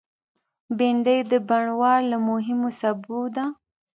بېنډۍ د بڼوال له مهمو سابو ده